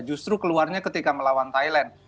justru keluarnya ketika melawan thailand